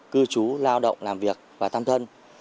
cư trú lao động làm việc và tam thân